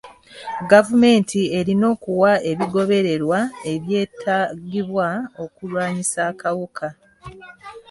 Gavumenti erina okuwa ebigoberererwa ebyetaagibwa okulwanyisa akawuka.